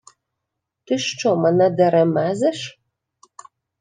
— Ти що мене деремезиш?